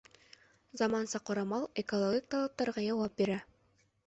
Заманса ҡорамал экологик талаптарға яуап бирә.